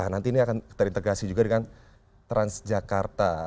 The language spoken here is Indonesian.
nanti ini akan terintegrasi juga dengan transjakarta